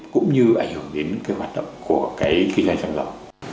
cũng như ảnh hưởng đến cái hoạt động của cái kinh doanh xăng dầu